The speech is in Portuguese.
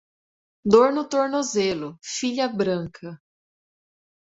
Dor no tornozelo, filha branca.